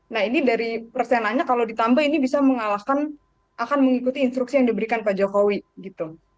nah ini dari persenanya kalau ditambah ini bisa mengalahkan akan mengikuti instruksi yang diberikan pak jokowi gitu